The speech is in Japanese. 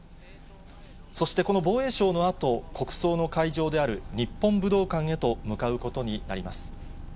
そしてこの防衛省のあと、国葬の会場である日本武道館へと向かうことになります。